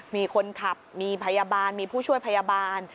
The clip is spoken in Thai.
มีคนขับมีพยาบาลมีผู้ช่วยพยาบาล